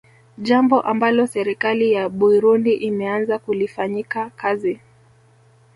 Jambo ambalo serikali ya Buirundi imeanza kulifanyika kazi